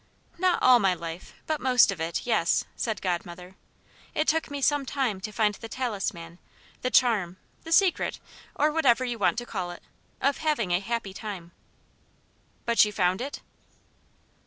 "Not all my life, but most of it yes," said Godmother. "It took me some time to find the talisman, the charm, the secret or whatever you want to call it of having a happy time." "But you found it?"